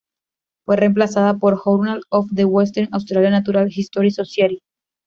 Fue reemplazada por "Journal of the Western Australia natural history society".